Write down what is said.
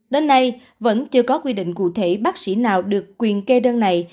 đến nay vẫn chưa có quy định cụ thể bác sĩ nào được quyền kê đơn này